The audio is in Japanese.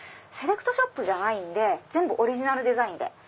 セレクトショップじゃないんで全部オリジナルデザインで。